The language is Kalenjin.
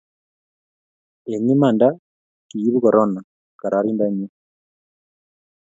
eng' imanda kiibu korona kararaninda nyin